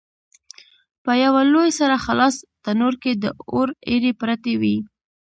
په یوه لوی سره خلاص تنور کې د اور ایرې پرتې وې.